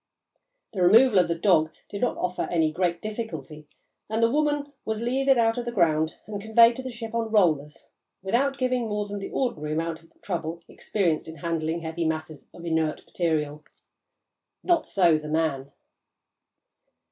The removal of the "dog" did not offer any great difficulty, and the "woman" was levered out of the ground and conveyed to the ship on rollers without giving more than the ordinary amount of trouble experienced in handling heavy masses of inert material. Not so the "man."